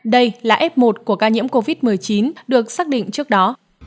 đây là f một của ca nhiễm covid một mươi chín được xác định trước đó